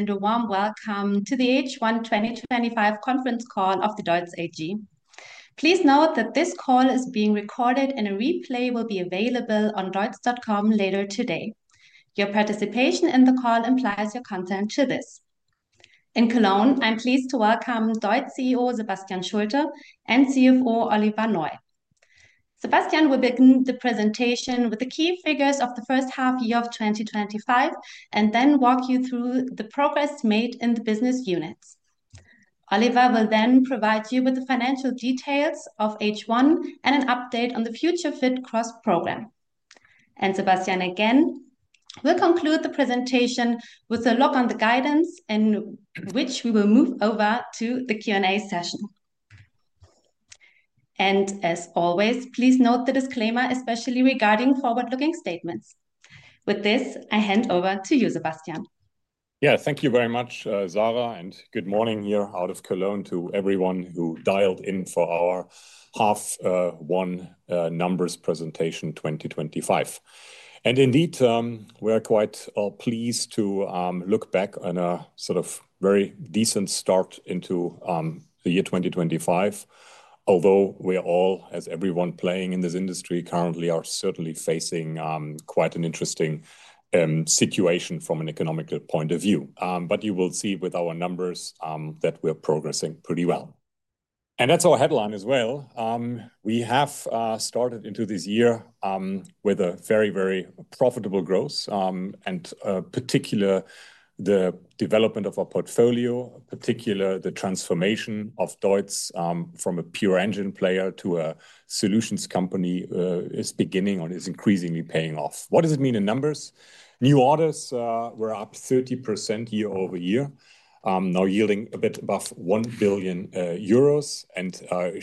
And a warm welcome to the H1 2025 conference call of DEUTZ AG. Please note that this call is being recorded and a replay will be available on deutz.com later today. Your participation in the call implies your consent to this. In Cologne, I'm pleased to welcome DEUTZ CEO Dr. Sebastian Schulte and CFO Oliver Neu. Sebastian will begin the presentation with the key figures of the first half year of 2025 and then walk you through the progress made in the business units. Oliver will then provide you with the financial details of H1 and an update on the Future Fit cost program. Sebastian again will conclude the presentation with a look on the guidance, at which point we will move over to the Q&A session. As always, please note the disclaimer, especially regarding forward-looking statements. With this, I hand over to you, Sebastian. Yeah, thank you very much, Sarah, and good morning here out of Cologne to everyone who dialed in for our half-one numbers presentation 2025. Indeed, we're quite pleased to look back on a sort of very decent start into the year 2025. Although we're all, as everyone playing in this industry currently, are certainly facing quite an interesting situation from an economic point of view. You will see with our numbers that we're progressing pretty well. That's our headline as well. We have started into this year with a very, very profitable growth, and in particular, the development of our portfolio, in particular, the transformation of DEUTZ AG from a pure engine player to a solutions company is beginning or is increasingly paying off. What does it mean in numbers? New orders were up 30% year over year, now yielding a bit above 1 billion euros and are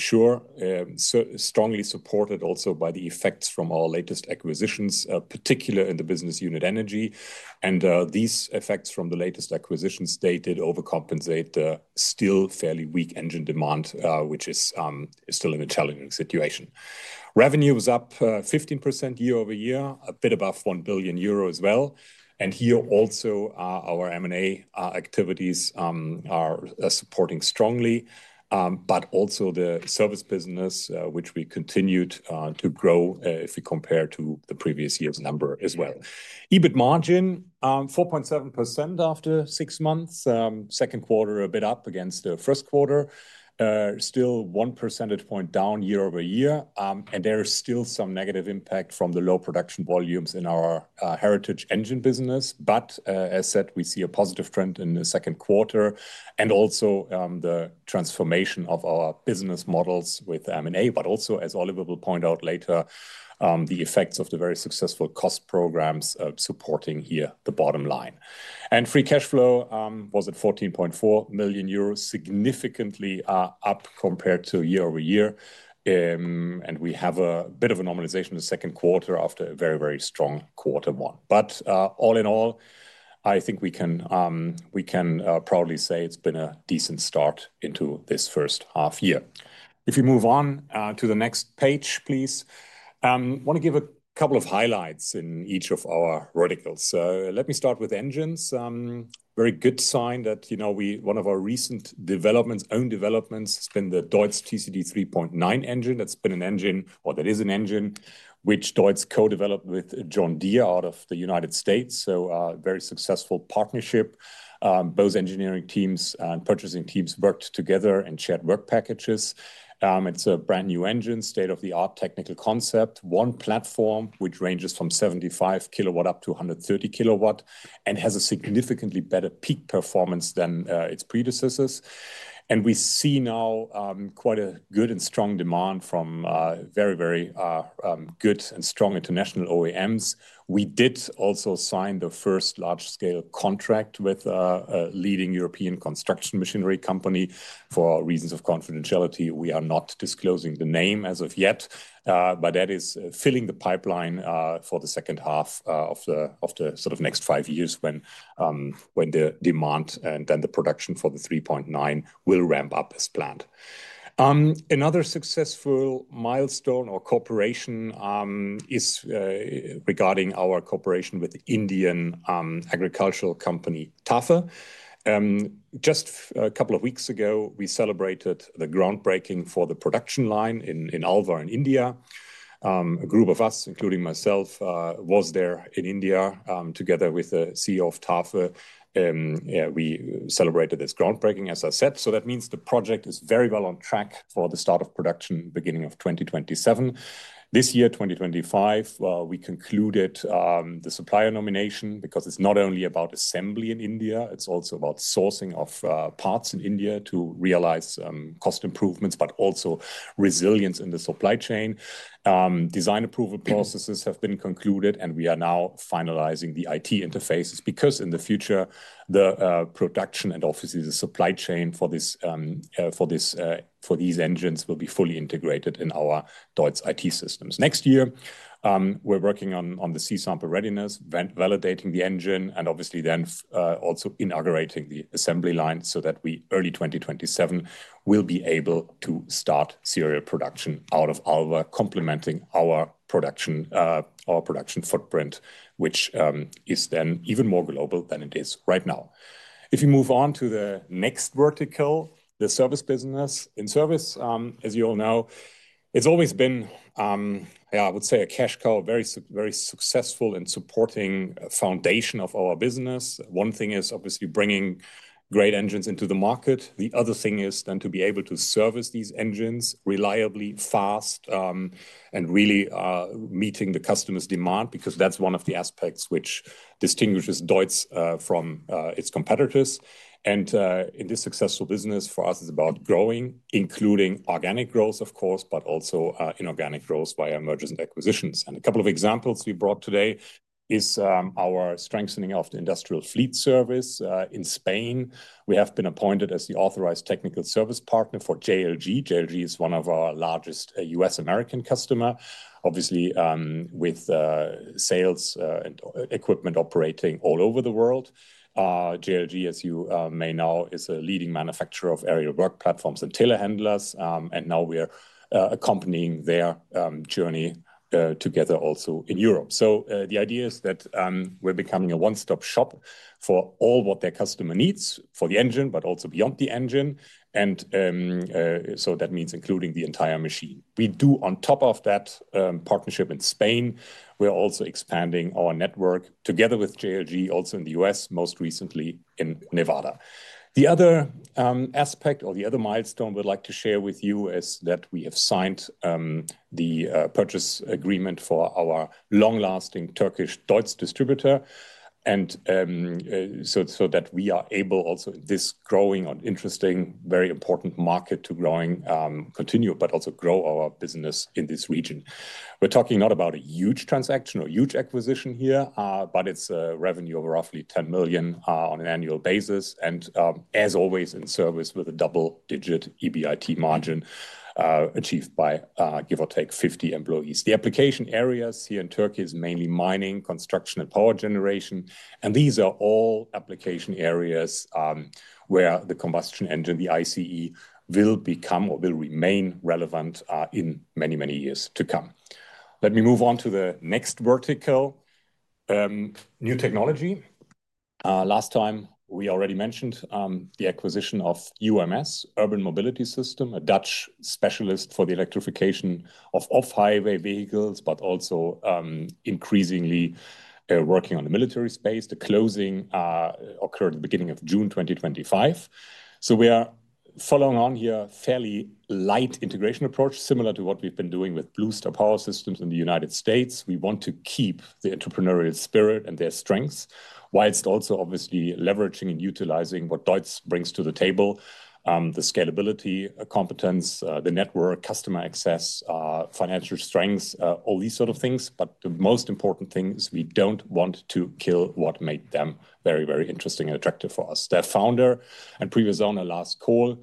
strongly supported also by the effects from our latest acquisitions, particularly in the business unit energy. These effects from the latest acquisitions did overcompensate the still fairly weak engine demand, which is still an intelligent situation. Revenue was up 15% year-over-year, a bit above 1 billion euro as well. Here also our M&A activities are supporting strongly, but also the service business, which we continued to grow if we compare to the previous year's number as well. EBIT margin: 4.7% after six months. Second quarter a bit up against the first quarter, still one percentage point down year-over-year. There is still some negative impact from the low production volumes in our heritage engine business. As said, we see a positive trend in the second quarter and also the transformation of our business models with M&A. Also, as Oliver will point out later, the effects of the very successful cost programs supporting here the bottom line. Free cash flow was at 14.4 million euros, significantly up compared to year over year. We have a bit of a normalization in the second quarter after a very, very strong quarter one. But all in all, I think we can proudly say it's been a decent start into this first half year. If you move on to the next page, please. I want to give a couple of highlights in each of our verticals. Let me start with engines. A very good sign that, you know, one of our recent developments, own developments, has been the DEUTZ TCD 3.9 engine. That's been an engine, or that is an engine, which DEUTZ AG co-developed with John Deere out of the United States. A very successful partnership. Both engineering teams and purchasing teams worked together and shared work packages. It's a brand new engine, state-of-the-art technical concept, one platform which ranges from 75 kilowatt up to 130 kilowatt and has a significantly better peak performance than its predecessors. And we see now quite a good and strong demand from very, very good and strong international OEMs. We did also sign the first large-scale contract with a leading European construction machinery company. For reasons of confidentiality, we are not disclosing the name as of yet. That is filling the pipeline for the second half of the sort of next five years when the demand and then the production for the TCD 3.9 will ramp up as planned. Another successful milestone or cooperation is regarding our cooperation with the Indian agricultural company TAFE. Just a couple of weeks ago, we celebrated the groundbreaking for the production line in Alwar in India. A group of us, including myself, was there in India together with the CEO of TAFE. We celebrated this groundbreaking, as I said. That means the project is very well on track for the start of production beginning of 2027. This year, 2025, we concluded the supplier nomination because it's not only about assembly in India, it's also about sourcing of parts in India to realize cost improvements, but also resilience in the supply chain. Design approval processes have been concluded and we are now finalizing the IT interfaces because in the future, the production and obviously the supply chain for these engines will be fully integrated in our DEUTZ IT systems. Next year, we're working on the C sample readiness, validating the engine, and obviously then also inaugurating the assembly line so that we, early 2027, will be able to start serial production out of Alwar, complementing our production footprint, which is then even more global than it is right now. If you move on to the next vertical, the service business. In service, as you all know, it's always been, yeah, I would say a cash cow, very successful in supporting the foundation of our business. One thing is obviously bringing great engines into the market. The other thing is then to be able to service these engines reliably, fast, and really meeting the customer's demand because that's one of the aspects which distinguishes DEUTZ from its competitors. In this successful business, for us, it's about growing, including organic growth, of course, but also inorganic growth via mergers and acquisitions. A couple of examples we brought today are our strengthening of the industrial fleet service in Spain. We have been appointed as the authorized technical service partner for JLG. JLG is one of our largest U.S. American customers, obviously with sales and equipment operating all over the world. JLG, as you may know, is a leading manufacturer of aerial work platforms and telehandlers. We are accompanying their journey together also in Europe. The idea is that we're becoming a one-stop shop for all what their customer needs for the engine, but also beyond the engine. That means including the entire machine. On top of that partnership in Spain, we're also expanding our network together with JLG in the U.S., most recently in Nevada. The other aspect or the other milestone we'd like to share with you is that we have signed the purchase agreement for our long-lasting Turkish DEUTZ distributor. We are able also in this growing and interesting, very important market to continue, but also grow our business in this region. We're not talking about a huge transaction or huge acquisition here, but it's a revenue of roughly 10 million on an annual basis. As always, in service with a double-digit EBIT margin achieved by give or take 50 employees. The application areas here in Turkey are mainly mining, construction, and power generation. These are all application areas where the combustion engine, the ICE, will become or will remain relevant in many, many years to come. Let me move on to the next vertical: new technology. Last time, we already mentioned the acquisition of UMS, Urban Mobility Systems, a Dutch specialist for the electrification of off-highway vehicles, but also increasingly working on the military space. The closing occurred at the beginning of June 2025. We are following on here a fairly light integration approach, similar to what we've been doing with Blue Star Power Systems in the United States. We want to keep the entrepreneurial spirit and their strengths, whilst also obviously leveraging and utilizing what DEUTZ brings to the table: the scalability, competence, the network, customer access, financial strengths, all these sort of things. The most important thing is we don't want to kill what made them very, very interesting and attractive for us. Their founder and previous owner, last call,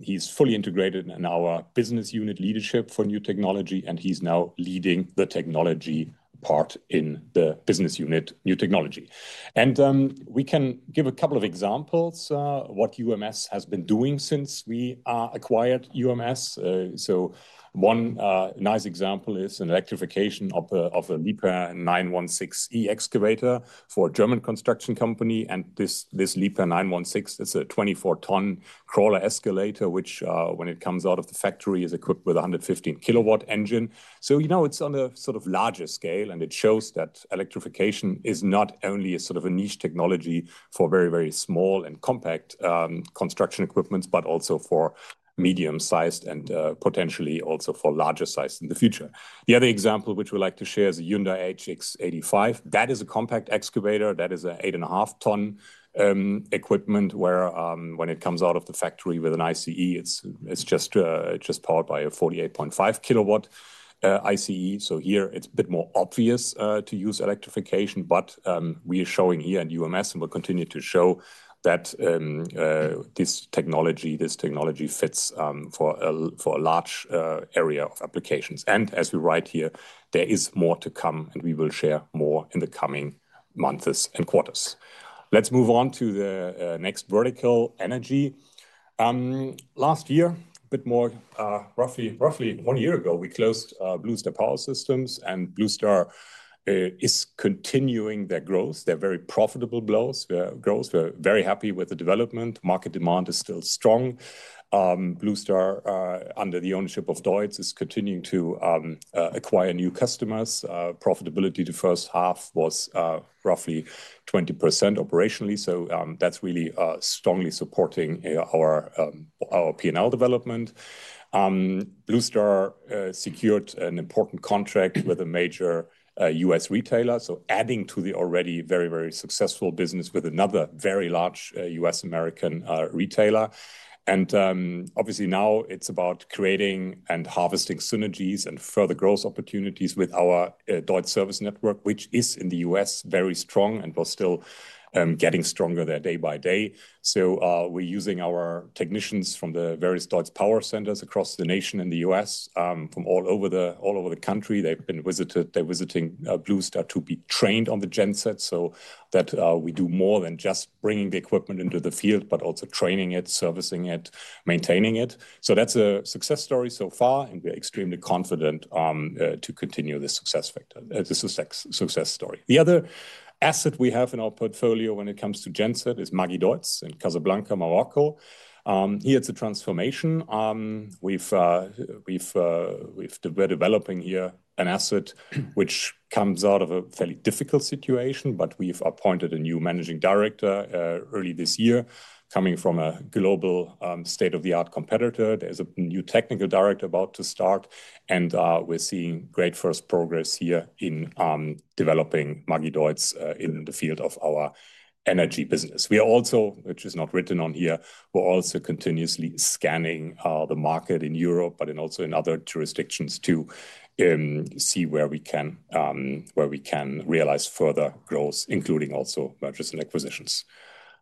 he's fully integrated in our Business Unit Leadership for New Technology, and he's now leading the technology part in the Business Unit New Technology. We can give a couple of examples of what UMS has been doing since we acquired UMS. One nice example is an electrification of a Liebherr 916 E-excavator for a German construction company. This Liebherr 916, it's a 24-ton crawler excavator, which when it comes out of the factory is equipped with a 115 kilowatt engine. It's on a sort of larger scale and it shows that electrification is not only a sort of a niche technology for very, very small and compact construction equipment, but also for medium-sized and potentially also for larger sized in the future. The other example which we like to share is a Hyundai HX85. That is a compact excavator. That is an eight and a half ton equipment where when it comes out of the factory with an ICE, it's just powered by a 48.5 kilowatt ICE. Here it's a bit more obvious to use electrification, but we are showing here in UMS and we'll continue to show that this technology fits for a large area of applications. As we write here, there is more to come and we will share more in the coming months and quarters. Let's move on to the next vertical: energy. Last year, a bit more, roughly one year ago, we closed Blue Star Power Systems and Blue Star is continuing their growth. They're very profitable growth. We're very happy with the development. Market demand is still strong. Blue Star, under the ownership of DEUTZ AG, is continuing to acquire new customers. Profitability in the first half was roughly 20% operationally. That's really strongly supporting our P&L development. Blue Star secured an important contract with a major U.S. retailer, adding to the already very, very successful business with another very large U.S. American retailer. Obviously now it's about creating and harvesting synergies and further growth opportunities with our DEUTZ service network, which is in the U.S. very strong and was still getting stronger there day by day. We're using our technicians from the various DEUTZ power centers across the nation and the U.S. from all over the country. They've been visited. They're visiting Blue Star Power Systems to be trained on the gen sets so that we do more than just bringing the equipment into the field, but also training it, servicing it, maintaining it. That's a success story so far and we're extremely confident to continue this success factor. This is a success story. The other asset we have in our portfolio when it comes to gen set is Magideutz in Casablanca, Morocco. Here it's a transformation. We're developing here an asset which comes out of a fairly difficult situation, but we've appointed a new Managing Director early this year coming from a global state-of-the-art competitor. There's a new Technical Director about to start and we're seeing great first progress here in developing Magideutz in the field of our energy business. We're also, which is not written on here, we're also continuously scanning the market in Europe, but also in other jurisdictions to see where we can realize further growth, including also M&A.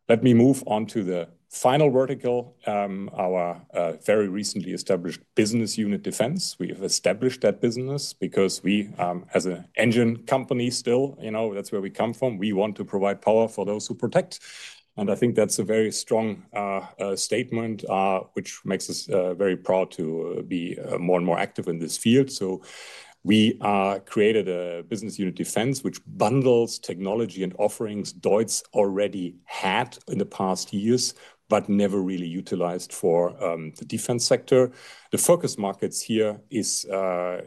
Let me move on to the final vertical, our very recently established business unit defense. We have established that business because we, as an engine company, still, you know, that's where we come from. We want to provide power for those who protect. I think that's a very strong statement which makes us very proud to be more and more active in this field. We created a business unit defense which bundles technology and offerings DEUTZ already had in the past years, but never really utilized for the defense sector. The focus markets here are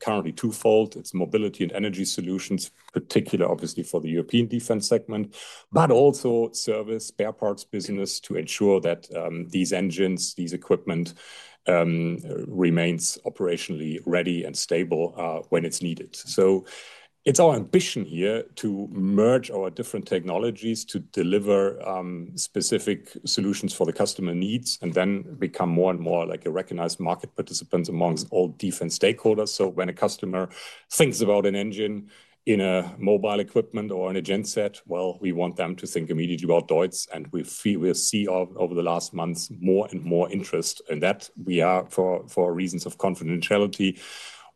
currently twofold. It's mobility and energy solutions, particularly obviously for the European defense segment, but also service spare parts business to ensure that these engines, this equipment remains operationally ready and stable when it's needed. It's our ambition here to merge our different technologies to deliver specific solutions for the customer needs and then become more and more like a recognized market participant amongst all defense stakeholders. When a customer thinks about an engine in a mobile equipment or in a gen set, we want them to think immediately about DEUTZ and we feel we'll see over the last months more and more interest in that. For reasons of confidentiality,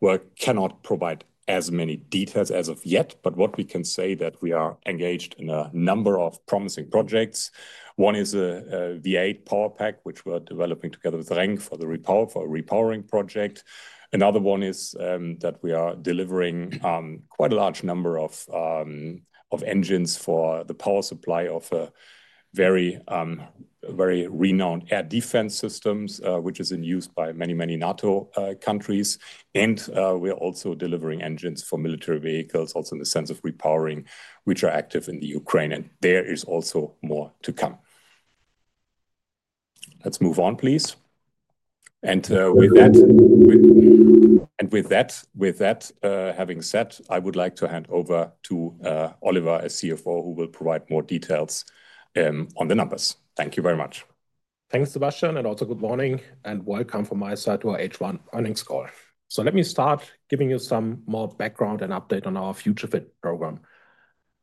we cannot provide as many details as of yet, but what we can say is that we are engaged in a number of promising projects. One is a V8 power pack, which we're developing together with Rheinmetall for the repowering project. Another one is that we are delivering quite a large number of engines for the power supply of very renowned air defense systems, which is in use by many, many NATO countries. We're also delivering engines for military vehicles, also in the sense of repowering, which are active in the Ukraine. There is also more to come. Let's move on, please. With that having said, I would like to hand over to Oliver as CFO, who will provide more details on the numbers. Thank you very much. Thanks, Sebastian, and also good morning and welcome from my side to our H1 earnings call. Let me start giving you some more background and update on our Future Fit cost program.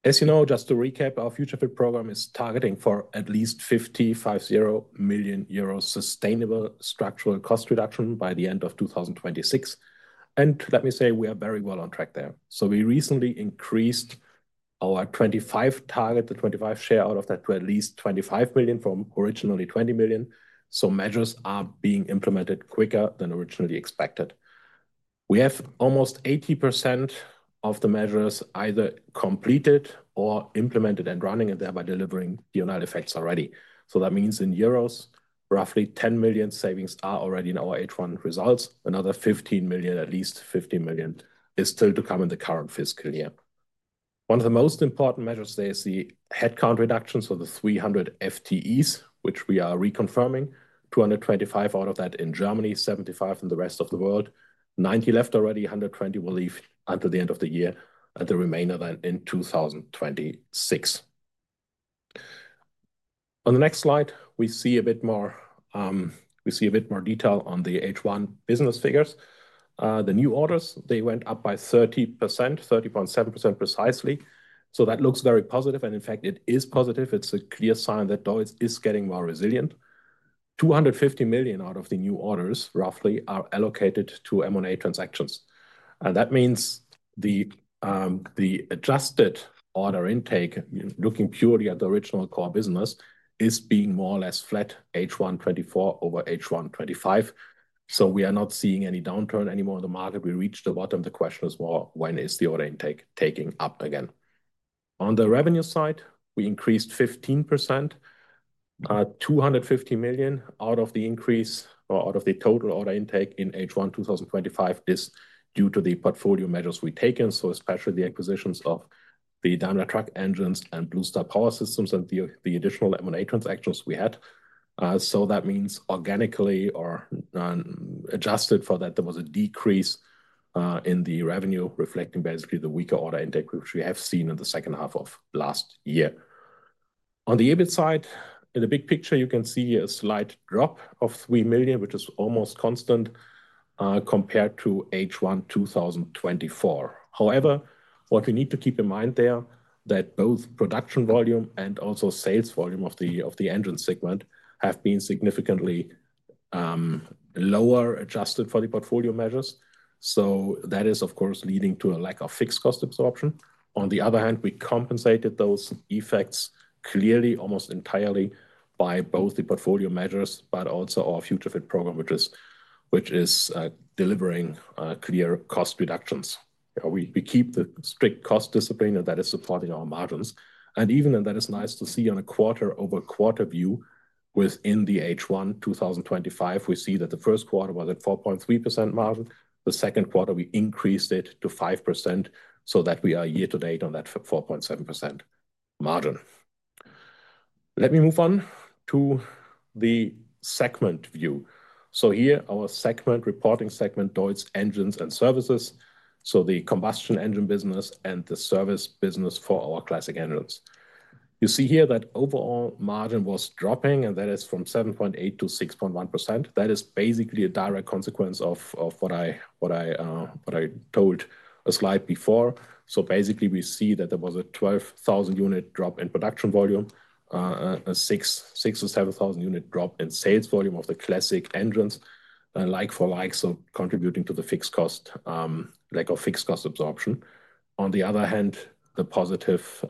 As you know, just to recap, our Future Fit cost program is targeting for at least 550 million euros sustainable structural cost reduction by the end of 2026. Let me say we are very well on track there. We recently increased our 2025 target, the 2025 share out of that to at least 25 million from originally 20 million. Measures are being implemented quicker than originally expected. We have almost 80% of the measures either completed or implemented and running and thereby delivering the united effects already. That means in euros, roughly 10 million savings are already in our H1 results. Another 15 million, at least 15 million, is still to come in the current fiscal year. One of the most important measures is the headcount reductions, so the 300 FTEs, which we are reconfirming. 225 out of that in Germany, 75 in the rest of the world, 90 left already, 120 will leave until the end of the year, and the remainder then in 2026. On the next slide, we see a bit more detail on the H1 business figures. The new orders went up by 30%, 30.7% precisely. That looks very positive. In fact, it is positive. It's a clear sign that DEUTZ is getting more resilient. 250 million out of the new orders, roughly, are allocated to M&A transactions. That means the adjusted order intake, looking purely at the original core business, is being more or less flat H1 2024 over H1 2025. We are not seeing any downturn anymore in the market. We reached the bottom. The question is more, when is the order intake taking up again? On the revenue side, we increased 15%. 250 million out of the increase or out of the total order intake in H1 2025 is due to the portfolio measures we've taken, especially the acquisitions of the Daimler Truck engines and Blue Star Power Systems and the additional M&A transactions we had. That means organically or adjusted for that, there was a decrease in the revenue reflecting basically the weaker order intake which we have seen in the second half of last year. On the EBIT side, in the big picture, you can see a slight drop of 3 million, which is almost constant compared to H1 2024. However, what we need to keep in mind there is that both production volume and also sales volume of the engine segment have been significantly lower adjusted for the portfolio measures. That is, of course, leading to a lack of fixed cost absorption. On the other hand, we compensated those effects clearly almost entirely by both the portfolio measures, but also our Future Fit cost program, which is delivering clear cost reductions. We keep the strict cost discipline and that is supporting our margins. Even in that, it's nice to see on a quarter over quarter view within the H1 2025, we see that the first quarter was at 4.3% margin. The second quarter, we increased it to 5% so that we are year to date on that 4.7% margin. Let me move on to the segment view. Here, our segment reporting segment, DEUTZ engines and services. The combustion engine business and the service business for our classic engines. You see here that overall margin was dropping and that is from 7.8%-6.1%. That is basically a direct consequence of what I told a slide before. We see that there was a 12,000 unit drop in production volume, a 6,000 or 7,000 unit drop in sales volume of the classic engines, like for like, so contributing to the lack of fixed cost absorption. On the other hand, the positive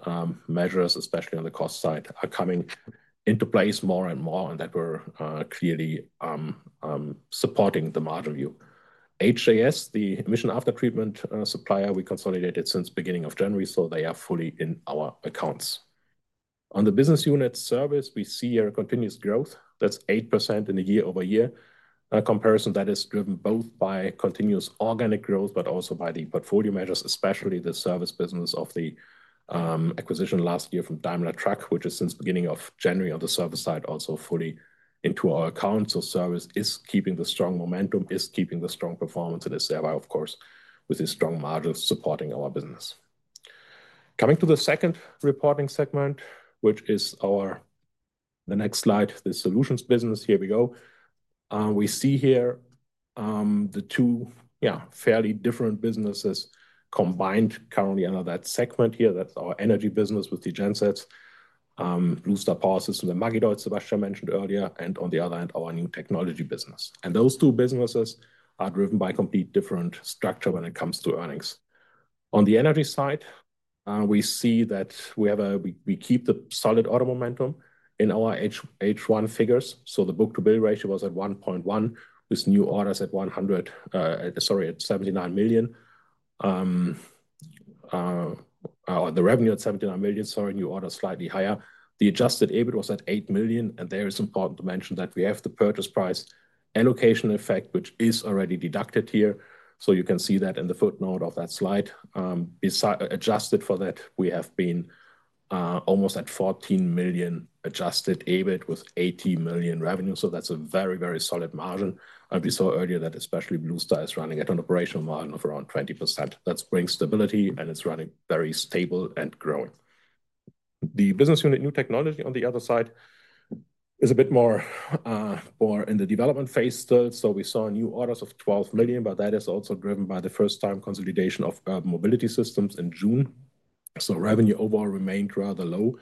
measures, especially on the cost side, are coming into place more and more and that we're clearly supporting the margin view. HJS, the emission after treatment supplier, we consolidated since the beginning of January, so they are fully in our accounts. On the business unit service, we see a continuous growth that's 8% in a year over year comparison. That is driven both by continuous organic growth, but also by the portfolio measures, especially the service business of the acquisition last year from Daimler Truck, which is since the beginning of January on the service side, also fully into our account. Service is keeping the strong momentum, is keeping the strong performance, and is thereby, of course, with these strong margins supporting our business. Coming to the second reporting segment, which is our, the next slide, the solutions business, here we go. We see here the two, yeah, fairly different businesses combined currently under that segment here. That's our energy business with the gen sets, Blue Star Power Systems, that Magideutz, Sebastian mentioned earlier, and on the other hand, our new technology business. Those two businesses are driven by a completely different structure when it comes to earnings. On the energy side, we see that we keep the solid order momentum in our H1 figures. The book-to-bill ratio was at 1.1, with new orders at 79 million. The revenue at 79 million, new orders slightly higher. The adjusted EBIT was at 8 million, and it is important to mention that we have the purchase price allocation effect, which is already deducted here. You can see that in the footnote of that slide, it is adjusted for that. We have been almost at 14 million adjusted EBIT with 18 million revenue. That's a very, very solid margin. We saw earlier that especially Blue Star Power Systems is running at an operational margin of around 20%. That brings stability and it's running very stable and growing. The business unit new technology on the other side is a bit more in the development phase still. We saw new orders of 12 million, but that is also driven by the first-time consolidation of Urban Mobility Systems in June. Revenue overall remained rather low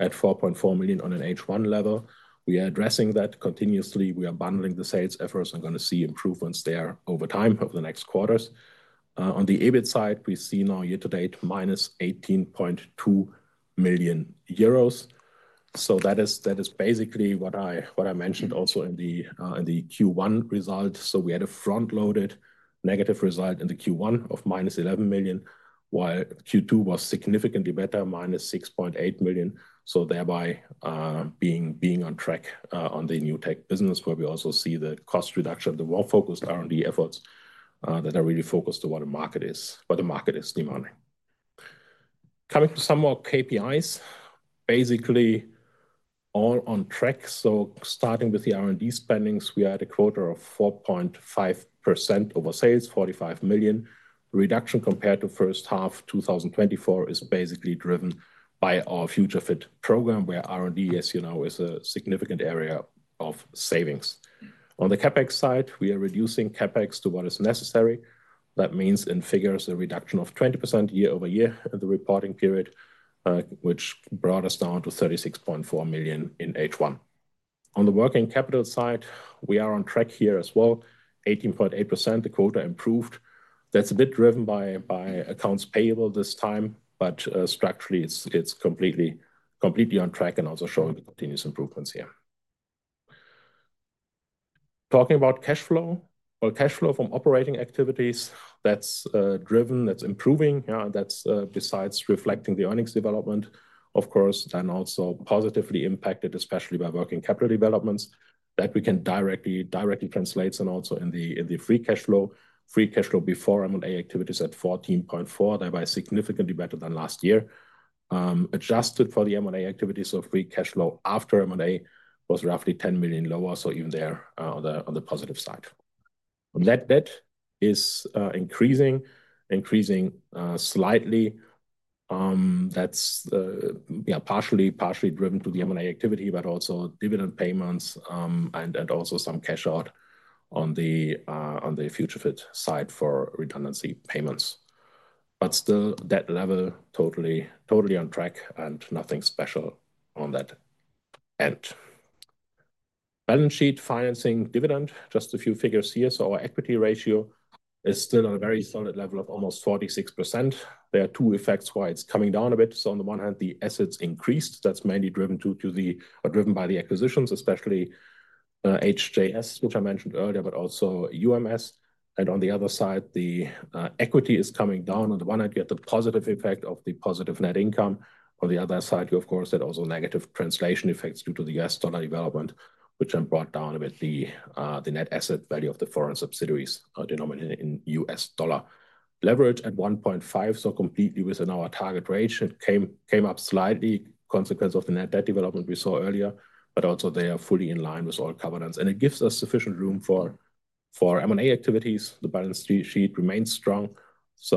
at 4.4 million on an H1 level. We are addressing that continuously. We are bundling the sales efforts and going to see improvements there over time over the next quarters. On the EBIT side, we see now year to date minus 18.2 million euros. That is basically what I mentioned also in the Q1 result. We had a front-loaded negative result in the Q1 of minus 11 million, while Q2 was significantly better, minus 6.8 million. Thereby, being on track on the new tech business where we also see the cost reduction and the more focused R&D efforts that are really focused on what the market is demanding. Coming to some more KPIs, basically all on track. Starting with the R&D spendings, we had a quarter of 4.5% over sales, 45 million reduction compared to first half 2024 is basically driven by our Future Fit cost program where R&D, as you know, is a significant area of savings. On the CapEx side, we are reducing CapEx to what is necessary. That means in figures, a reduction of 20% year over year in the reporting period, which brought us down to 36.4 million in H1. On the working capital side, we are on track here as well, 18.8%, the quarter improved. That's a bit driven by accounts payable this time, but structurally, it's completely on track and also showing continuous improvements here. Talking about cash flow, cash flow from operating activities, that's driven, that's improving. That's besides reflecting the earnings development, of course, then also positively impacted, especially by working capital developments that we can directly translate and also in the free cash flow. Free cash flow before M&A activities at 14.4%, thereby significantly better than last year. Adjusted for the M&A activities, so free cash flow after M&A was roughly 10 million lower, so even there on the positive side. That debt is increasing, increasing slightly. That's partially driven to the M&A activity, but also dividend payments and also some cash out on the Future Fit side for redundancy payments. Still, debt level totally on track and nothing special on that end. Balance sheet financing dividend, just a few figures here. Our equity ratio is still on a very solid level of almost 46%. There are two effects why it's coming down a bit. On the one hand, the assets increased. That's mainly driven by the acquisitions, especially HJS, which I mentioned earlier, but also UMS. On the other side, the equity is coming down. On the one hand, you have the positive effect of the positive net income. On the other side, you, of course, had also negative translation effects due to the U.S. dollar development, which had brought down a bit the net asset value of the foreign subsidiaries denominated in U.S. dollar. Leverage at 1.5%, so completely within our target range. It came up slightly as a consequence of the net debt development we saw earlier, but also they are fully in line with all covenants. It gives us sufficient room for M&A activities. The balance sheet remains strong.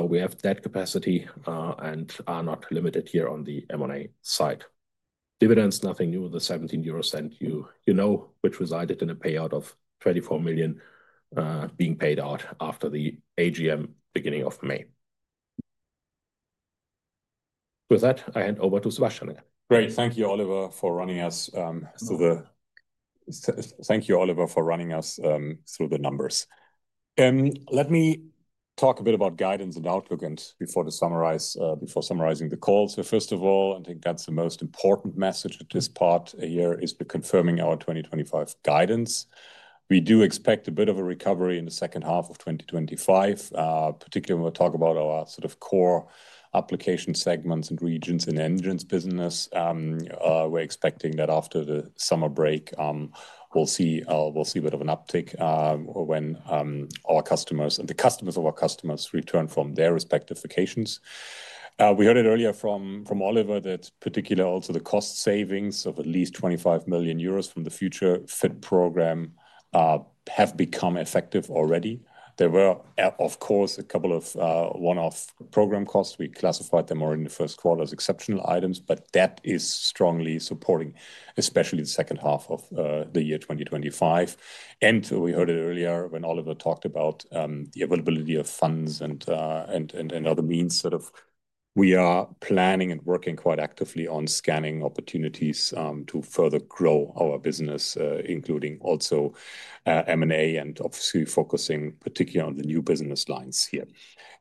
We have debt capacity and are not limited here on the M&A side. Dividends, nothing new. The 0.17, you know, which resided in a payout of 34 million being paid out after the AGM beginning of May. With that, I hand over to Sebastian again. Great. Thank you, Oliver, for running us through the numbers. Let me talk a bit about guidance and outlook before summarizing the call. First of all, I think the most important message at this part of the year is we're confirming our 2025 guidance. We do expect a bit of a recovery in the second half of 2025, particularly when we talk about our sort of core application segments and regions in the engines business. We're expecting that after the summer break, we'll see a bit of an uptick when our customers and the customers of our customers return from their respective vacations. We heard it earlier from Oliver that particularly also the cost savings of at least 25 million euros from the Future Fit cost program have become effective already. There were, of course, a couple of one-off program costs. We classified them more in the first quarter as exceptional items, but that is strongly supporting especially the second half of the year 2025. We heard it earlier when Oliver talked about the availability of funds and other means. We are planning and working quite actively on scanning opportunities to further grow our business, including also M&A and obviously focusing particularly on the new business lines here.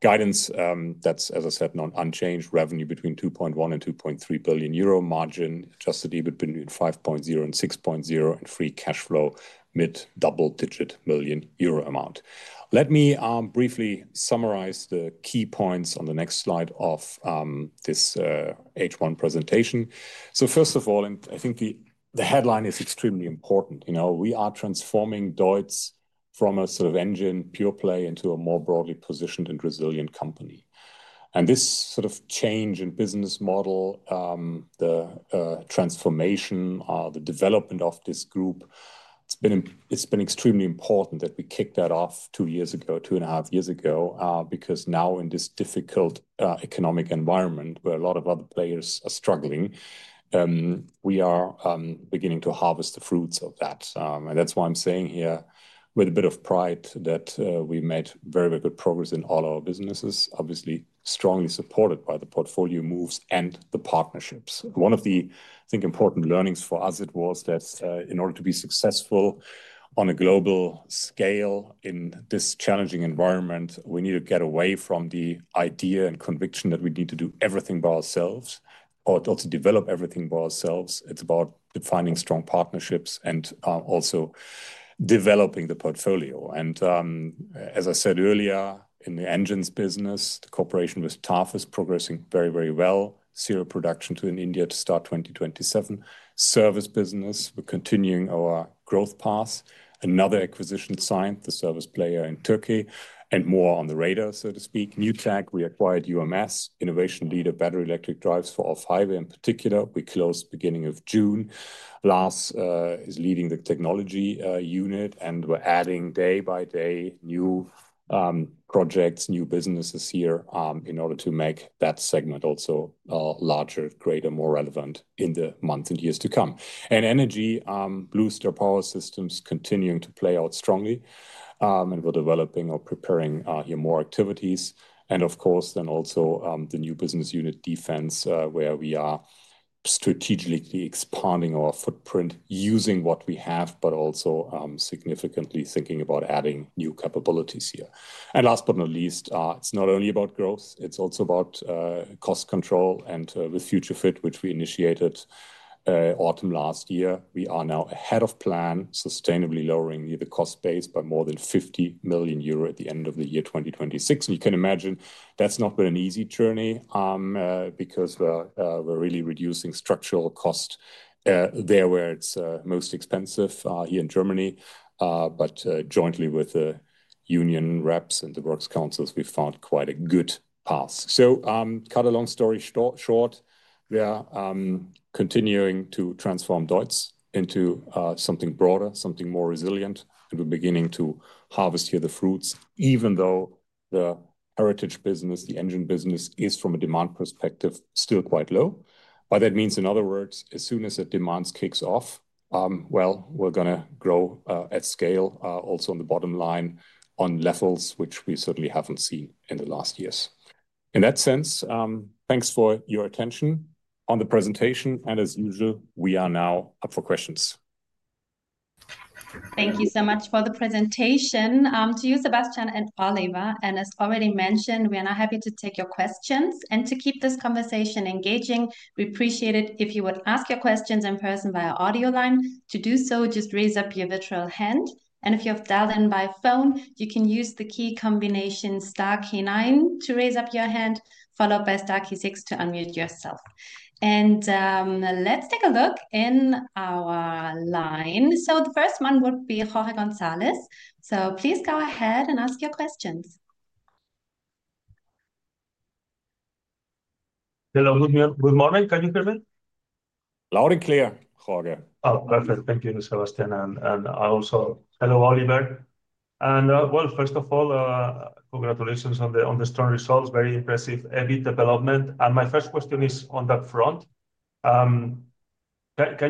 Guidance, as I said, is not unchanged. Revenue between 2.1 and 2.3 billion euro. Margin adjusted EBIT between 5.0 and 6.0 and free cash flow mid double-digit million euros amount. Let me briefly summarize the key points on the next slide of this H1 presentation. First of all, I think the headline is extremely important. You know, we are transforming DEUTZ from a sort of engine pure play into a more broadly positioned and resilient company. This sort of change in business model, the transformation, the development of this group, it's been extremely important that we kicked that off two years ago, two and a half years ago, because now in this difficult economic environment where a lot of other players are struggling, we are beginning to harvest the fruits of that. That's why I'm saying here with a bit of pride that we made very, very good progress in all our businesses, obviously strongly supported by the portfolio moves and the partnerships. One of the, I think, important learnings for us was that in order to be successful on a global scale in this challenging environment, we need to get away from the idea and conviction that we need to do everything by ourselves or to develop everything by ourselves. It's about defining strong partnerships and also developing the portfolio. As I said earlier, in the engines business, the cooperation with TAFE is progressing very, very well. Serial production to India to start 2027. Service business, we're continuing our growth paths. Another acquisition signed, the service player in Turkey, and more on the radar, so to speak. New tech, we acquired UMS, innovation leader, battery electric drives for off-highway in particular. We closed the beginning of June. Lars is leading the technology unit and we're adding day by day new projects, new businesses here in order to make that segment also larger, greater, more relevant in the months and years to come. Energy, Blue Star Power Systems continuing to play out strongly and we're developing or preparing here more activities. Of course, then also the new business unit defense where we are strategically expanding our footprint using what we have, but also significantly thinking about adding new capabilities here. Last but not least, it's not only about growth, it's also about cost control. With Future Fit, which we initiated in autumn last year, we are now ahead of plan, sustainably lowering the cost base by more than 50 million euro at the end of the year 2026. You can imagine that's not been an easy journey because we're really reducing structural cost there where it's most expensive here in Germany. Jointly with the union reps and the works councils, we found quite a good path. To cut a long story short, we are continuing to transform DEUTZ into something broader, something more resilient, and we're beginning to harvest here the fruits, even though the heritage business, the engine business is from a demand perspective still quite low. That means, in other words, as soon as the demands kick off, we're going to grow at scale also on the bottom line on levels which we certainly haven't seen in the last years. In that sense, thanks for your attention on the presentation. As usual, we are now up for questions. Thank you so much for the presentation to you, Sebastian and Oliver. As already mentioned, we are now happy to take your questions. To keep this conversation engaging, we appreciate it if you would ask your questions in person via audio line. To do so, just raise up your virtual hand. If you have dialed in by phone, you can use the key combination *9 to raise up your hand, followed by *6 to unmute yourself. Let's take a look in our line. The first one would be Jorge González. So please go ahead and ask your questions. Hello. Good morning. Can you hear me? Loud and clear, Jorge. Oh, perfect. Thank you, Sebastian. Also, hello, Oliver. First of all, congratulations on the strong results. Very impressive EBIT development. My first question is on that front. Can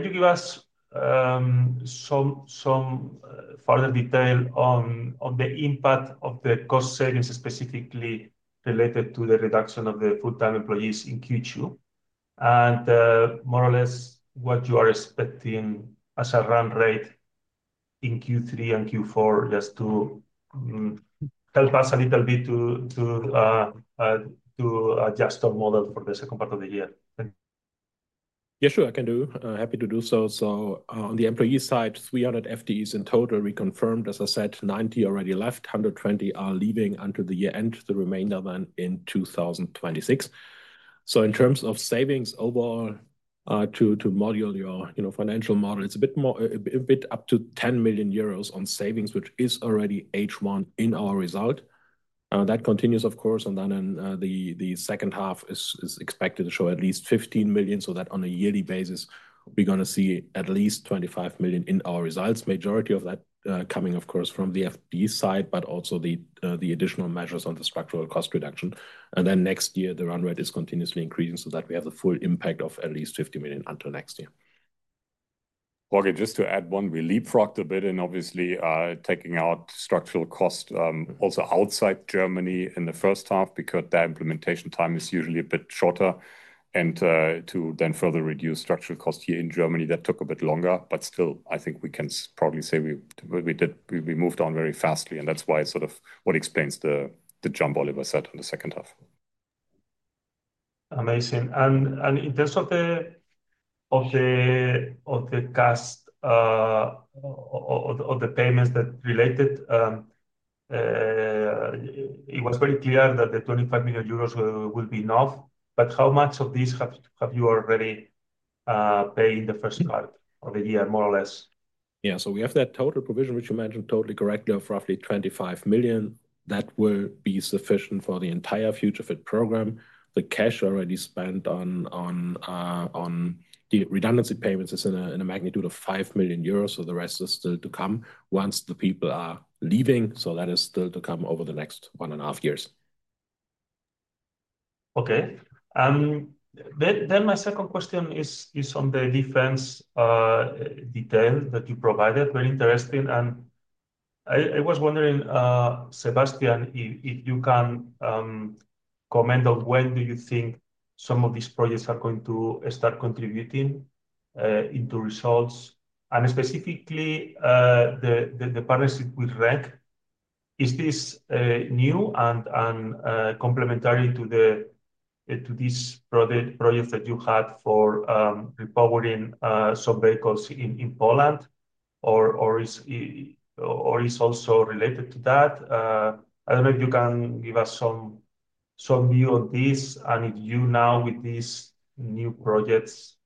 you give us some further detail on the impact of the cost savings, specifically related to the reduction of the full-time employees in Q2? More or less what you are expecting as a run rate in Q3 and Q4, just to help us a little bit to adjust our model for the second part of the year? Yeah, sure. I can do. Happy to do so. On the employee side, 300 FTEs in total. We confirmed, as I said, 90 already left, 120 are leaving until the year end. The remainder then in 2026. In terms of savings overall to model your financial model, it's a bit up to 10 million euros on savings, which is already H1 in our result. That continues, of course, and the second half is expected to show at least 15 million. On a yearly basis, we're going to see at least 25 million in our results. Majority of that coming, of course, from the FTE side, but also the additional measures on the structural cost reduction. Next year, the run rate is continuously increasing so that we have the full impact of at least 50 million until next year. Jorge, just to add one, we leapfrogged a bit in obviously taking out structural cost also outside Germany in the first half because their implementation time is usually a bit shorter. To then further reduce structural costs here in Germany, that took a bit longer, but still, I think we can probably say we moved on very fast. That's why sort of what explains the jump Oliver said in the second half. Amazing. In terms of the payments that related, it was very clear that the 25 million euros would be enough. How much of this have you already paid in the first part of the year, more or less? Yeah, so we have that total provision, which you mentioned totally correctly, of roughly 25 million. That will be sufficient for the entire Future Fit cost program. The cash already spent on the redundancy payments is in a magnitude of 5 million euros. The rest is still to come once the people are leaving. That is still to come over the next one and a half years. Okay. My second question is on the defense detail that you provided. Very interesting. I was wondering, Sebastian, if you can comment on when you think some of these projects are going to start contributing into results. Specifically, the partnership with (REC), is this new and complementary to these projects that you had for repowering some vehicles in Poland? Is it also related to that? I don't know if you can give us some view of this and if you now with these new projects,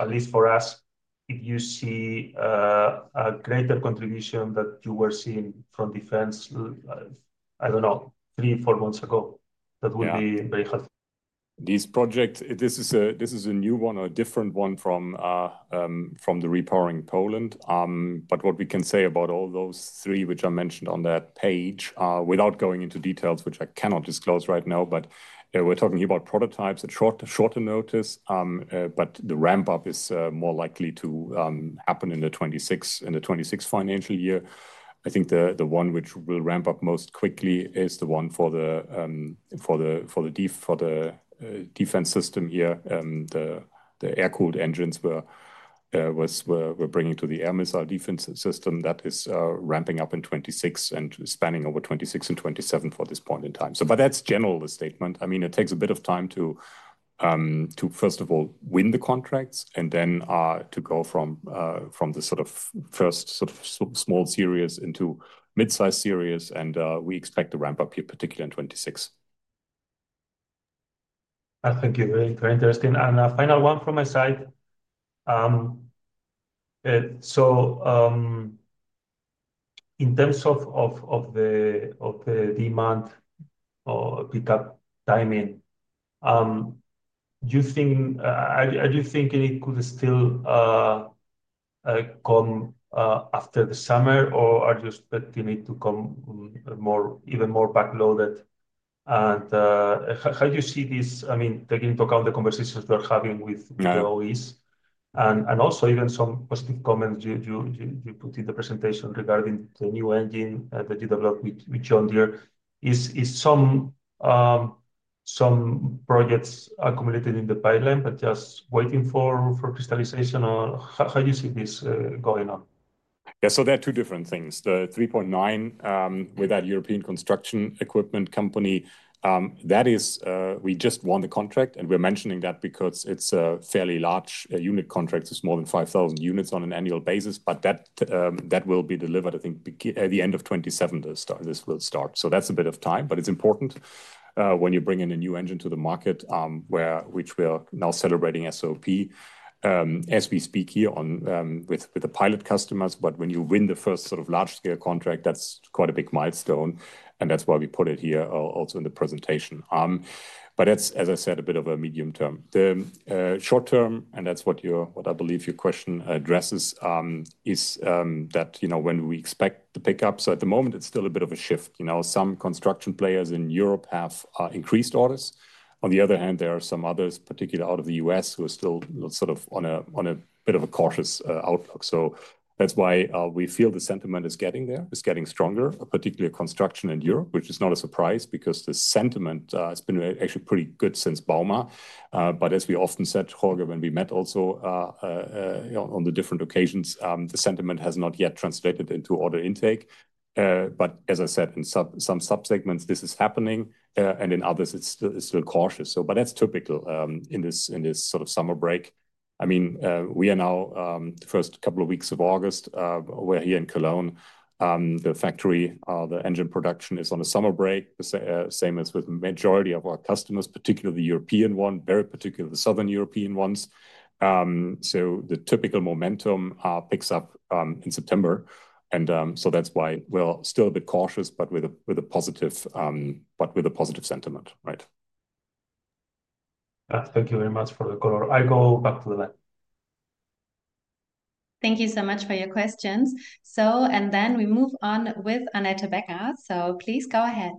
at least for us, if you see a greater contribution that you were seeing from defense, I don't know, three, four months ago, that would be very helpful. This project, this is a new one or a different one from the repowering Poland. What we can say about all those three, which I mentioned on that page, without going into details, which I cannot disclose right now, we're talking about prototypes at shorter notice. The ramp-up is more likely to happen in the 2026 financial year. I think the one which will ramp up most quickly is the one for the defense system here. The air-cooled engines we're bringing to the air missile defense system, that is ramping up in 2026 and spanning over 2026 and 2027 for this point in time. That's generally the statement. It takes a bit of time to, first of all, win the contracts and then to go from the sort of first sort of small series into mid-size series. We expect to ramp up here, particularly in 2026. I think you're very interesting. A final one from my side. In terms of the demand or pickup timing, do you think it could still come after the summer, or are you expecting it to come even more backloaded? How do you see this, I mean, taking into account the conversations we're having with the OEMs? Also, even some positive comments you put in the presentation regarding the new engine that you developed with John Deere. Is some projects accumulated in the pipeline, but just waiting for crystallization? How do you see this going on? Yeah, so there are two different things. The TCD 3.9 with that European construction equipment company, that is we just won the contract. We're mentioning that because it's a fairly large unit contract. It's more than 5,000 units on an annual basis. That will be delivered, I think, at the end of 2027, this will start. That's a bit of time. It's important when you bring in a new engine to the market, which we're now celebrating SOP, as we speak here with the pilot customers. When you win the first sort of large-scale contract, that's quite a big milestone. That's why we put it here also in the presentation. That's, as I said, a bit of a medium term. The short term, and that's what I believe your question addresses, is that when we expect the pickup. At the moment, it's still a bit of a shift. Some construction players in Europe have increased orders. On the other hand, there are some others, particularly out of the U.S., who are still sort of on a bit of a cautious outlook. That's why we feel the sentiment is getting there. It's getting stronger, particularly construction in Europe, which is not a surprise because the sentiment has been actually pretty good since Bauma. As we often said, Jorge, when we met also on the different occasions, the sentiment has not yet translated into order intake. As I said, in some subsegments, this is happening. In others, it's still cautious. That's typical in this sort of summer break. We are now the first couple of weeks of August. We're here in Cologne. The factory, the engine production is on a summer break, the same as with the majority of our customers, particularly the European one, very particularly the Southern European ones. The typical momentum picks up in September. That's why we're still a bit cautious, but with a positive sentiment. Thank you very much for the call. I'll go back to the line. Thank you so much for your questions. We move on with Annette Becker. Please go ahead.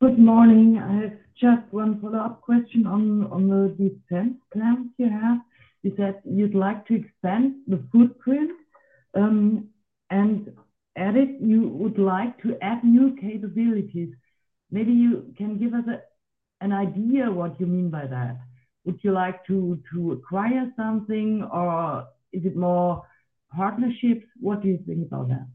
Good morning. I have just one follow-up question on the defense plans you have. Is that you'd like to expand the footprint? If you would like to add new capabilities, maybe you can give us an idea of what you mean by that. Would you like to acquire something, or is it more partnerships? What do you think about that?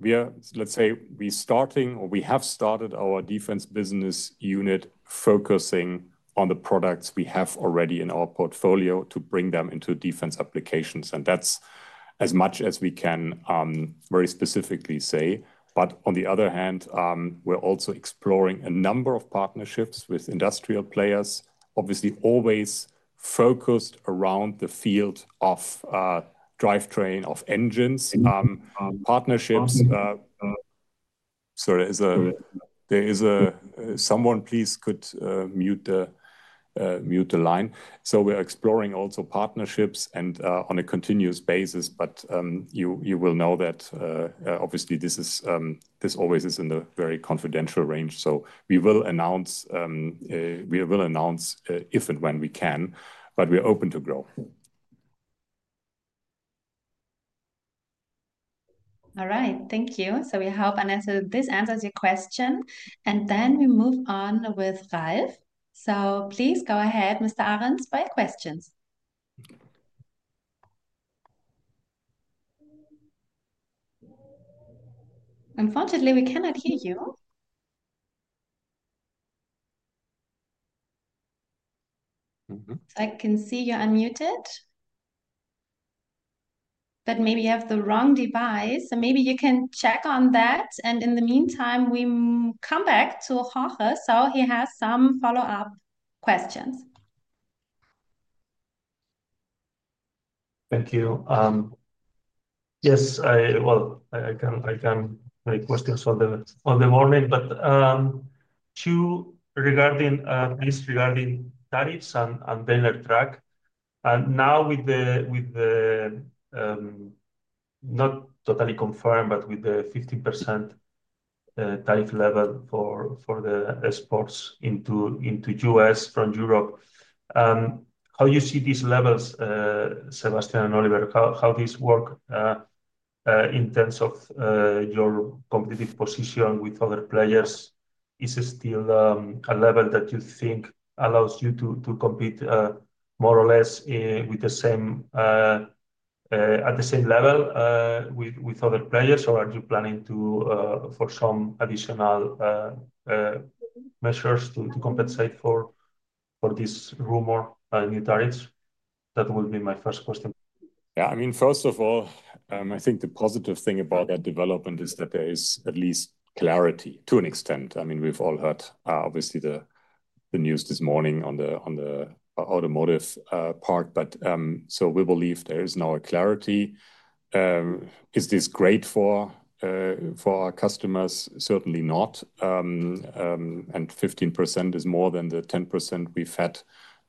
We are, let's say, we're starting or we have started our defense business unit focusing on the products we have already in our portfolio to bring them into defense applications. That's as much as we can very specifically say. On the other hand, we're also exploring a number of partnerships with industrial players, obviously always focused around the field of drivetrain of engines, partnerships. Sorry, there is someone, please could mute the line. We're exploring also partnerships on a continuous basis. You will know that obviously this always is in a very confidential range. We will announce if and when we can, but we're open to grow. All right. Thank you. We hope this answers your question. We move on with live. Please go ahead, Mr. Arens, for your questions. Unfortunately, we cannot hear you. I can see you're unmuted, but maybe you have the wrong device. Maybe you can check on that. In the meantime, we come back to Jorge. He has some follow-up questions. Thank you. Yes, I can request your further warning. Two regarding at least regarding tariffs and Daimler Truck. Now with the not totally confirmed, but with the 15% tariff level for the exports into the US from Europe, how do you see these levels, Sebastian and Oliver, how this works in terms of your competitive position with other players? Is it still a level that you think allows you to compete more or less with the same level with other players? Are you planning for some additional measures to compensate for this rumor and new tariffs? That would be my first question. Yeah, I mean, first of all, I think the positive thing about that development is that there is at least clarity to an extent. I mean, we've all heard, obviously, the news this morning on the automotive part. We believe there is now a clarity. Is this great for our customers? Certainly not. 15% is more than the 10% we've had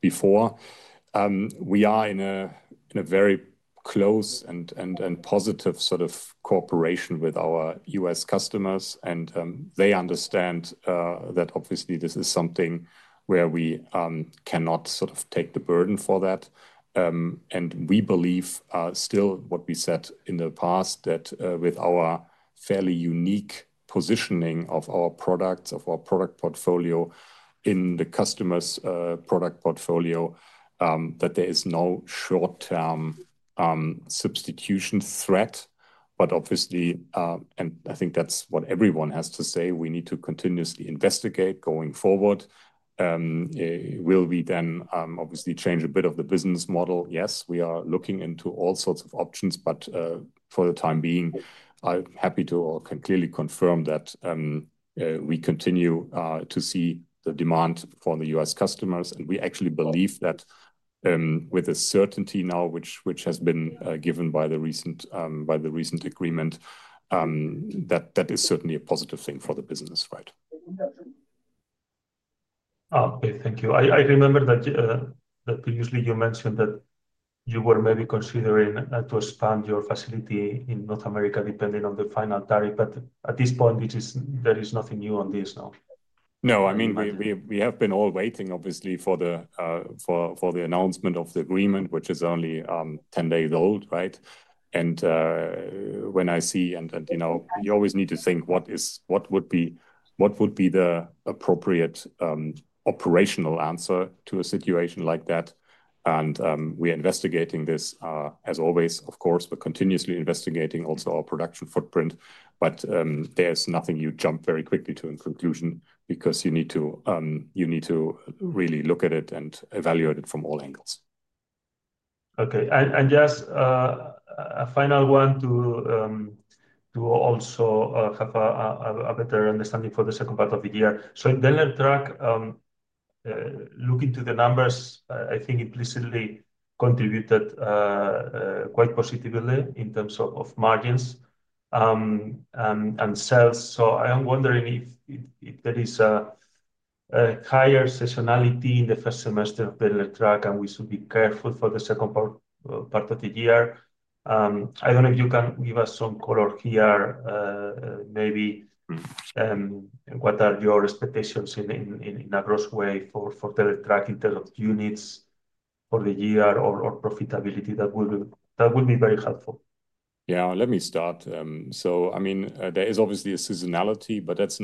before. We are in a very close and positive sort of cooperation with our US customers. They understand that obviously this is something where we cannot sort of take the burden for that. We believe still what we said in the past, that with our fairly unique positioning of our products, of our product portfolio in the customer's product portfolio, there is no short-term substitution threat. Obviously, and I think that's what everyone has to say, we need to continuously investigate going forward. Will we then obviously change a bit of the business model? Yes, we are looking into all sorts of options. For the time being, I'm happy to clearly confirm that we continue to see the demand for the US customers. We actually believe that with a certainty now, which has been given by the recent agreement, that is certainly a positive thing for the business, right? Thank you. I remember that previously you mentioned that you were maybe considering to expand your facility in North America depending on the final tariff. At this point, there is nothing new on this now. No, I mean, we have been all waiting, obviously, for the announcement of the agreement, which is only 10 days old, right? When I see, you always need to think what would be the appropriate operational answer to a situation like that. We're investigating this, as always. Of course, we're continuously investigating also our production footprint. There's nothing you jump very quickly to in conclusion because you need to really look at it and evaluate it from all angles. Okay. Just a final one to also have a better understanding for the second part of the year. Daimler Truck, looking to the numbers, I think it recently contributed quite positively in terms of margins and sales. I'm wondering if there is a higher seasonality in the first semester of Daimler Truck and we should be careful for the second part of the year. I don't know if you can give us some color here, maybe what are your expectations in a gross way for Daimler Truck in terms of units for the year or profitability? That would be very helpful. Yeah, let me start. There is obviously a seasonality, but that's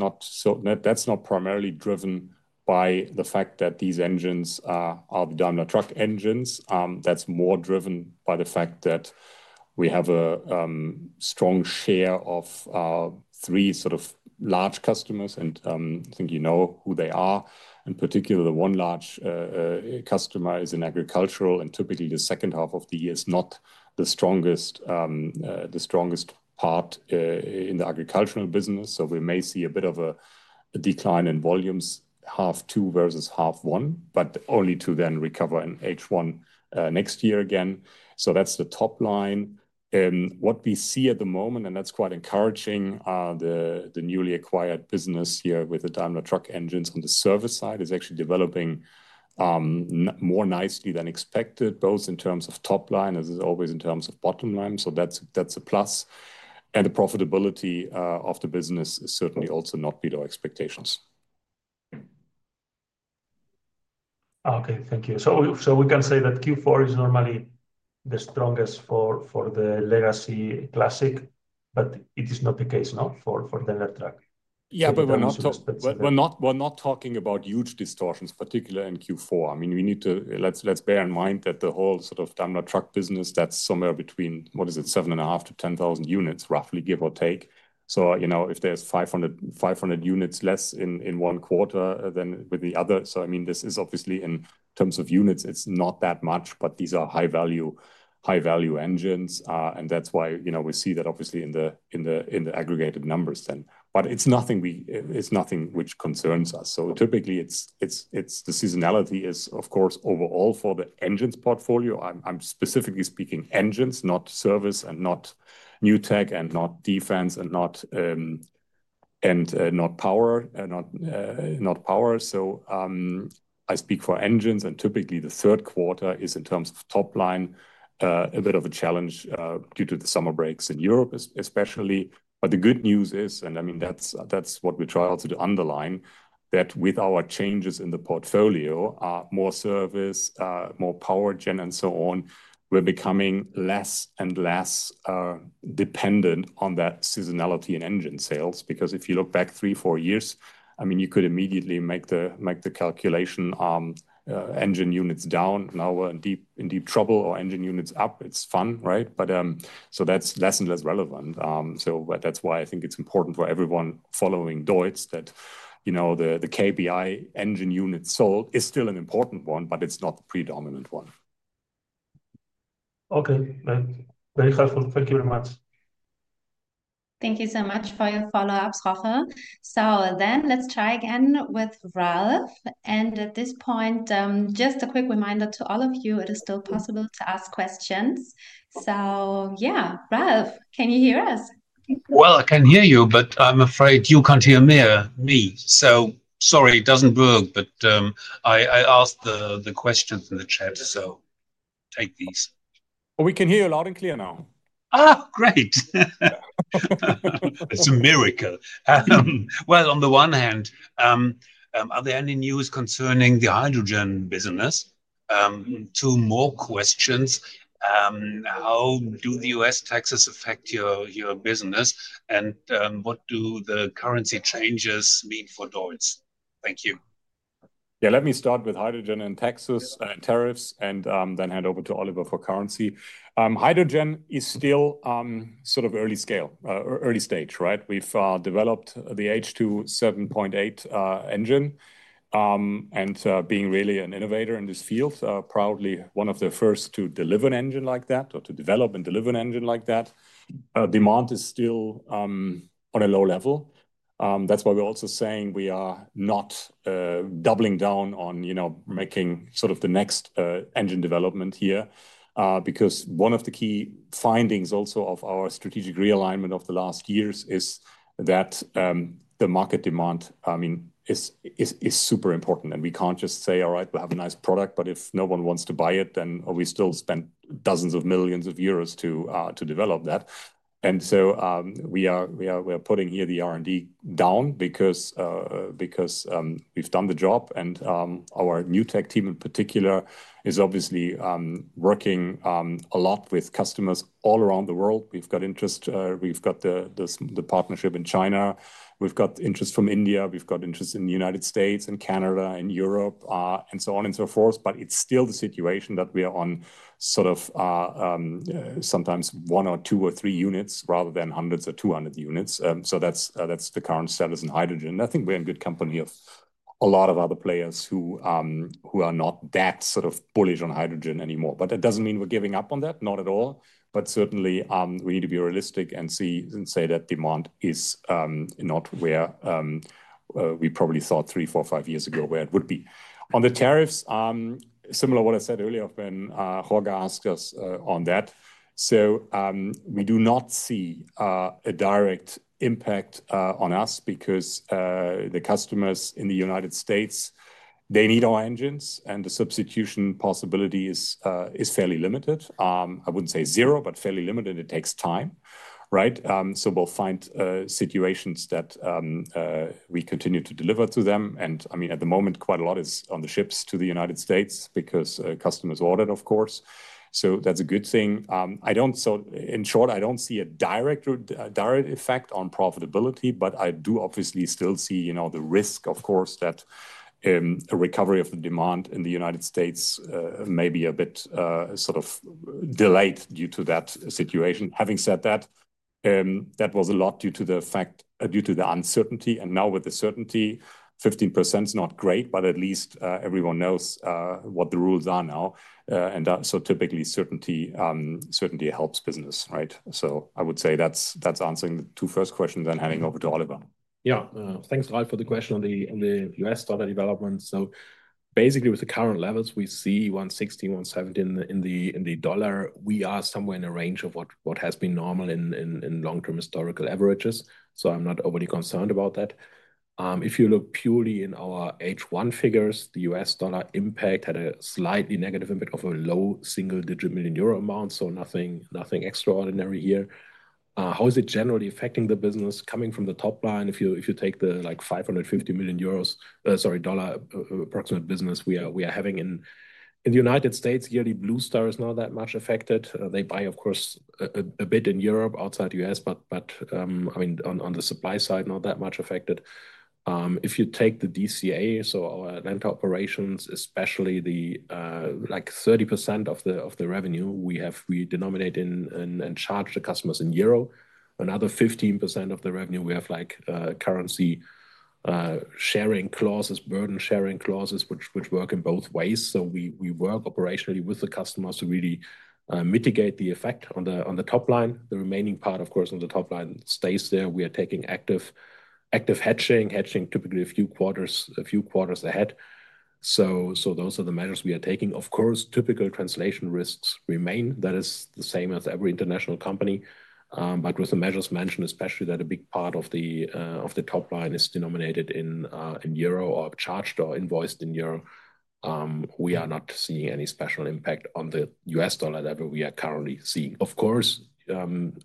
not primarily driven by the fact that these engines are Daimler Truck engines. That's more driven by the fact that we have a strong share of three sort of large customers. I think you know who they are. In particular, the one large customer is in agricultural. Typically, the second half of the year is not the strongest part in the agricultural business. We may see a bit of a decline in volumes, half two versus half one, but only to then recover in H1 next year again. That's the top line. What we see at the moment, and that's quite encouraging, are the newly acquired business here with the Daimler Truck engines on the service side is actually developing more nicely than expected, both in terms of top line, as it is always in terms of bottom line. That's a plus. The profitability of the business is certainly also not below expectations. Thank you. We can say that Q4 is normally the strongest for the Legacy Classic, but it is not the case for DEUTZ AG. Yeah, but we're not talking about huge distortions, particularly in Q4. We need to, let's bear in mind that the whole sort of Daimler Truck business, that's somewhere between, what is it, 7,500-10,000 units, roughly, give or take. If there's 500 units less in one quarter than with the other, this is obviously in terms of units, it's not that much, but these are high-value engines. That's why we see that obviously in the aggregated numbers then. It's nothing which concerns us. Typically, the seasonality is, of course, overall for the engines portfolio. I'm specifically speaking engines, not service and not new tech and not defense and not power. I speak for engines. Typically, the third quarter is in terms of top line, a bit of a challenge due to the summer breaks in Europe, especially. The good news is, and I mean, that's what we try also to underline, that with our changes in the portfolio, more service, more power gen, and so on, we're becoming less and less dependent on that seasonality in engine sales. If you look back three, four years, you could immediately make the calculation engine units down. Now we're in deep trouble or engine units up. It's fun, right? That's less and less relevant. I think it's important for everyone following DEUTZ, that you know the KPI engine unit sold is still an important one, but it's not the predominant one. Okay, that's very helpful. Thank you very much. Thank you so much for your follow-up, Jorge. Let's try again with Ralph. At this point, just a quick reminder to all of you, it is still possible to ask questions. Ralph, can you hear us? I can hear you, but I'm afraid you can't hear me. Sorry, it doesn't work, but I asked the questions in the chat, so take these. Oh, we can hear you loud and clear now. Oh, great. It's a miracle. On the one hand, are there any news concerning the hydrogen business? Two more questions. How do the U.S. taxes affect your business? What do the currency changes mean for DEUTZ? Thank you. Yeah, let me start with hydrogen and taxes and tariffs and then hand over to Oliver for currency. Hydrogen is still sort of early stage, right? We've developed the H2 7.8 engine and being really an innovator in this field, proudly one of the first to deliver an engine like that or to develop and deliver an engine like that. Demand is still on a low level. That's why we're also saying we are not doubling down on making sort of the next engine development here because one of the key findings also of our strategic realignment of the last years is that the market demand, I mean, is super important. We can't just say, all right, we'll have a nice product, but if no one wants to buy it, then we still spend dozens of millions of euros to develop that. We are putting here the R&D down because we've done the job. Our new tech team in particular is obviously working a lot with customers all around the world. We've got interest, we've got the partnership in China, we've got interest from India, we've got interest in the U.S. and Canada and Europe and so on and so forth. It's still the situation that we are on sort of sometimes one or two or three units rather than hundreds or 200 units. That's the current status in hydrogen. I think we're in good company of a lot of other players who are not that sort of bullish on hydrogen anymore. That doesn't mean we're giving up on that, not at all. Certainly, we need to be realistic and see and say that demand is not where we probably saw three, four, five years ago where it would be. On the tariffs, similar to what I said earlier when Jorge asked us on that. We do not see a direct impact on us because the customers in the U.S., they need our engines and the substitution possibility is fairly limited. I wouldn't say zero, but fairly limited. It takes time, right? We will find situations that we continue to deliver to them. At the moment, quite a lot is on the ships to the U.S. because customers ordered, of course. That's a good thing. In short, I don't see a direct effect on profitability, but I do obviously still see the risk, of course, that a recovery of the demand in the U.S. may be a bit sort of delayed due to that situation. Having said that, that was a lot due to the uncertainty. Now with the certainty, 15% is not great, but at least everyone knows what the rules are now. Typically, certainty helps business, right? I would say that's answering the two first questions and handing over to Oliver. Yeah, thanks, Ralph, for the question on the U.S. dollar development. Basically, with the current levels, we see $1.60, $1.70 in the dollar. We are somewhere in a range of what has been normal in long-term historical averages. I'm not overly concerned about that. If you look purely in our H1 figures, the U.S. dollar impact had a slightly negative impact of a low single-digit million euro amount. Nothing extraordinary here. How is it generally affecting the business coming from the top line? If you take the like $550 million approximate business we are having in the United States yearly, Blue Star Power Systems is not that much affected. They buy, of course, a bit in Europe outside the U.S., but on the supply side, not that much affected. If you take the DCA, so our lent operations, especially the like 30% of the revenue we have, we denominate in and charge the customers in euro. Another 15% of the revenue we have like currency sharing clauses, burden sharing clauses, which work in both ways. We work operationally with the customers to really mitigate the effect on the top line. The remaining part, of course, on the top line stays there. We are taking active hedging, hedging typically a few quarters ahead. Those are the measures we are taking. Of course, typical translation risks remain. That is the same as every international company. With the measures mentioned, especially that a big part of the topline is denominated in euro or charged or invoiced in euro, we are not seeing any special impact on the U.S. dollar level we are currently seeing. Of course,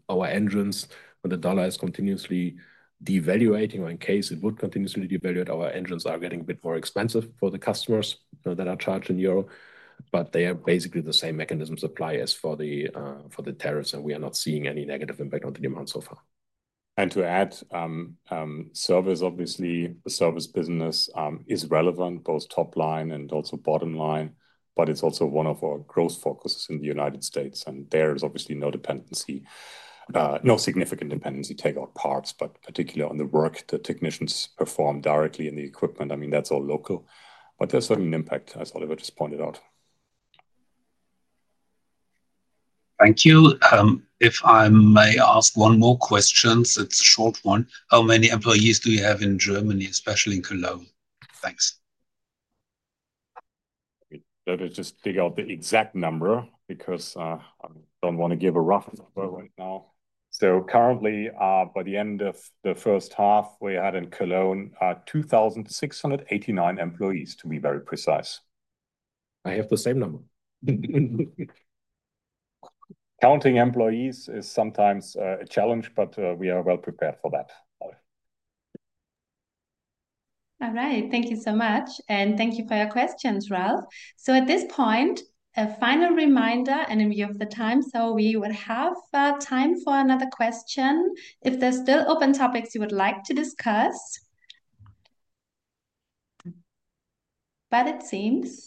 our engines, when the dollar is continuously devaluating, or in case it would continuously devaluate, our engines are getting a bit more expensive for the customers that are charged in euro. They are basically the same mechanism supply as for the tariffs. We are not seeing any negative impact on the demand so far. To add, service, obviously, the service business is relevant, both top line and also bottom line. It's also one of our growth focuses in the United States. There is obviously no significant dependency to take out parts, particularly on the work that technicians perform directly in the equipment. I mean, that's all local. There's certainly an impact, as Oliver just pointed out. Thank you. If I may ask one more question, it's a short one. How many employees do you have in Germany, especially in Cologne? Thanks. I'll just dig out the exact number because I don't want to give a rough number right now. Currently, by the end of the first half, we had in Cologne 2,689 employees, to be very precise. I have the same number. Counting employees is sometimes a challenge, but we are well prepared for that. All right. Thank you so much. Thank you for your questions, Ralph. At this point, a final reminder, we have the time, so we would have time for another question if there's still open topics you would like to discuss. It seems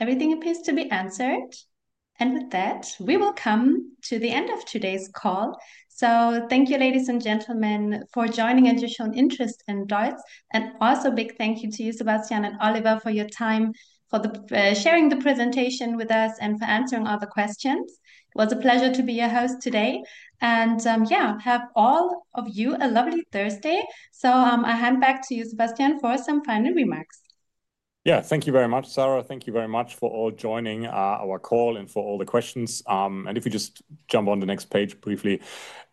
everything appears to be answered. With that, we will come to the end of today's call. Thank you, ladies and gentlemen, for joining and you've shown interest in DEUTZ. Also, a big thank you to you, Sebastian and Oliver, for your time, for sharing the presentation with us, and for answering all the questions. It was a pleasure to be your host today. Have all of you a lovely Thursday. I'll hand back to you, Sebastian, for some final remarks. Yeah, thank you very much, Sarah. Thank you very much for all joining our call and for all the questions. If we just jump on the next page briefly,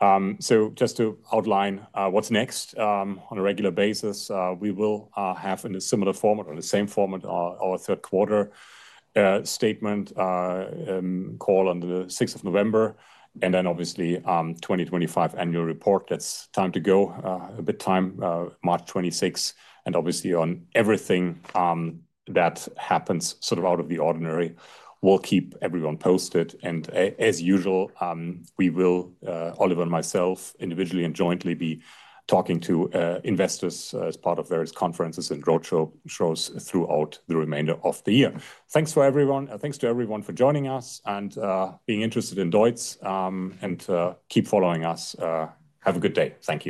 just to outline what's next on a regular basis, we will have in a similar format or the same format our third quarter statement call on the 6th of November. Obviously, 2025 annual report, that's time to go, a bit time, March 26. On everything that happens sort of out of the ordinary, we'll keep everyone posted. As usual, we will, Oliver and myself, individually and jointly be talking to investors as part of various conferences and roadshows throughout the remainder of the year. Thanks to everyone for joining us and being interested in DEUTZ. And keep following us. Have a good day. Thank you.